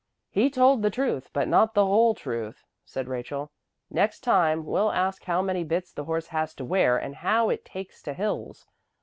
"He told the truth, but not the whole truth," said Rachel. "Next time we'll ask how many bits the horse has to wear and how it takes to hills.